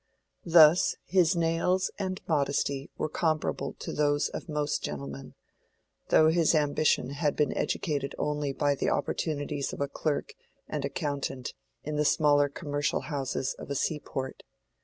Thus his nails and modesty were comparable to those of most gentlemen; though his ambition had been educated only by the opportunities of a clerk and accountant in the smaller commercial houses of a seaport.